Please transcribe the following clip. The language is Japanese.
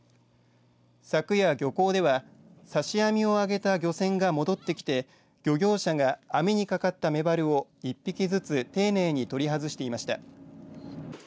昨夜、漁港では刺し網を揚げた漁船が戻ってきて漁業者が網にかかったメバルを一匹ずつ丁寧に取り外していました。